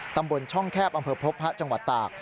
ตำบลช่องแคบอำเภอพบพระจังหวัดตาก